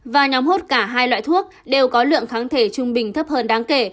và nhóm hút cả hai loại thuốc đều có lượng kháng thể trung bình thấp hơn đáng kể